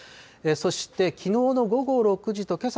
そして、きのうの午後６時とけさ